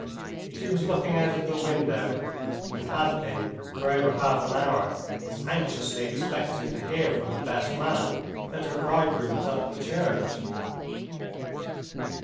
She was looking out of the window, and had been for over half an hour anxiously expecting to hear from the best man that her bridegroom was at the church.